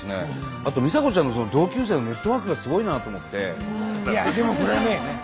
あと美沙子ちゃんの同級生のネットワークがすごいなと思って。